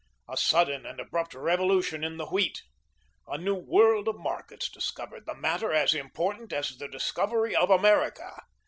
A sudden and abrupt revolution in the Wheat. A new world of markets discovered, the matter as important as the discovery of America.